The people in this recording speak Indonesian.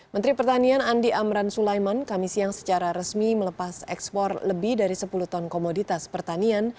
menteri pertanian andi amran sulaiman kami siang secara resmi melepas ekspor lebih dari sepuluh ton komoditas pertanian